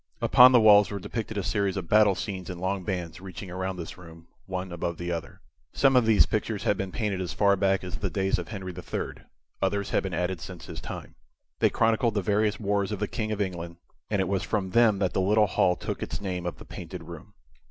Upon the walls were depicted a series of battle scenes in long bands reaching around this room, one above another. Some of these pictures had been painted as far back as the days of Henry III, others had been added since his time. They chronicled the various wars of the King of England, and it was from them that the little hall took its name of the Painted Room.